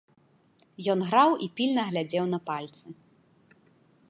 Ён граў і пільна глядзеў на пальцы.